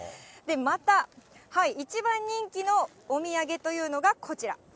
また、一番人気のお土産というのが、こちら。